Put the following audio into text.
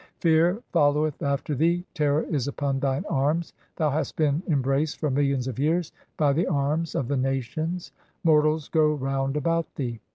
"Fear followeth after thee, terror is upon (137) thine arms. "Thou hast been embraced for millions of years by the arms "[of the nations] ; mortals go round about thee.